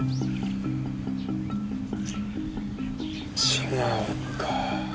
違うか。